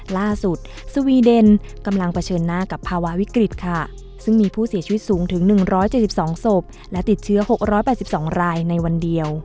สวีเดนกำลังเผชิญหน้ากับภาวะวิกฤตค่ะซึ่งมีผู้เสียชีวิตสูงถึง๑๗๒ศพและติดเชื้อ๖๘๒รายในวันเดียว